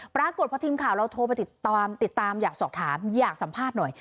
ปรากฏพอทีมข่าวเราโทรไปติดตามติดตามอยากสอบถามอยากสัมภาษณ์หน่อย